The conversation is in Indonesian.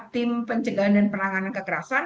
tim pencegahan dan penanganan kekerasan